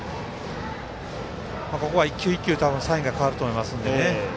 ここは一球一球サインが変わると思いますのでね。